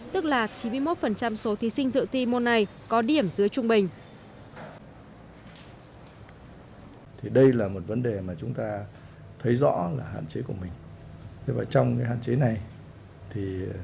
tức là chín mươi một số thí sinh dự thi môn này có điểm dưới trung bình